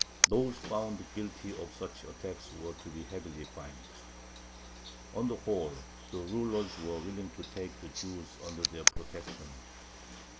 Those found guilty of such attacks were to be heavily fined. On the whole, the rulers were willing to take the Jews under their protection.